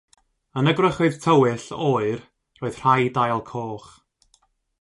Yn y gwrychoedd tywyll, oer roedd rhai dail coch.